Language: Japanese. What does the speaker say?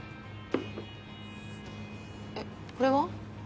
えこれは？